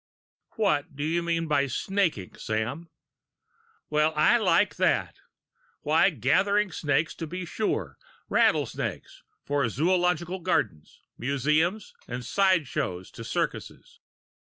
"What do you mean by snaking, Sam?" "Well, I like that! Why, gathering snakes, to be sure rattlesnakes for zoological gardens, museums, and side shows to circuses.